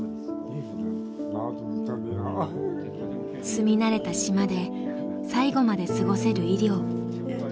住み慣れた島で最期まで過ごせる医療。